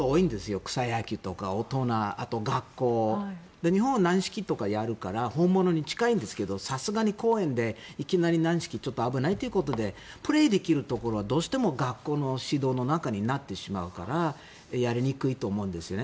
あと、草野球とか大人、学校日本は軟式とかやるから本物に近いんですけどさすがに公園でいきなり軟式は危ないということでプレーできるところはどうしても学校の指導の中になってしまうからやりにくいと思うんですよね。